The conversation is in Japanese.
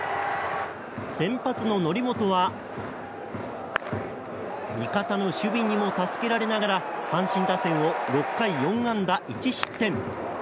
先発の則本は味方の守備にも助けられながら阪神打線を６回４安打１失点。